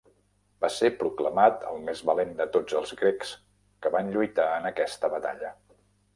Va ser proclamat el més valent de tots els grecs que van lluitar en aquesta batalla.